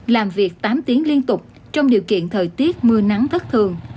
làm việc tám tiếng liên tục trong điều kiện thời tiết mưa nắng thất thường